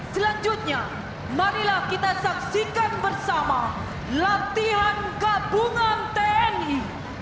selanjutnya marilah kita saksikan bersama latihan gabungan tni